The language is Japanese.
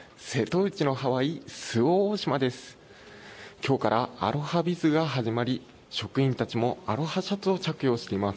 きょうからアロハビズが始まり職員たちもアロハシャツを着用しています。